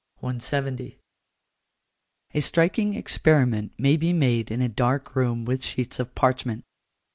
170. A striking experiment may be made in a dark room with sheets of parchment.